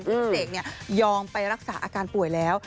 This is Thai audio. พี่เสกยอมไปรักษาอาการป่วยแล้ว